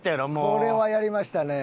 これはやりましたね。